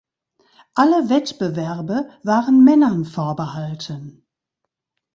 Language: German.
Alle Wettbewerbe waren Männern vorbehalten.